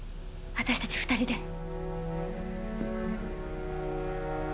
私たち２人で。